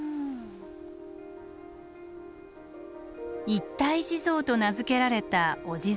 一体地蔵と名付けられたお地蔵様。